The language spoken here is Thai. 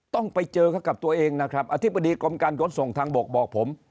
ต้องไปเจอเขากับตัวเองนะครับอธิบดีกรมการขนส่งทางบกบอกผม